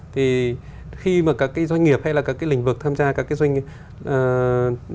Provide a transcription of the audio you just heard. thì khi mà các cái doanh nghiệp hay là các cái lĩnh vực tham gia các cái doanh nghiệp